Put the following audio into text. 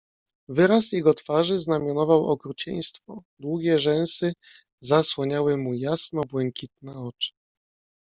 "Wyraz jego twarzy znamionował okrucieństwo, długie rzęsy zasłaniały mu jasno-błękitne oczy."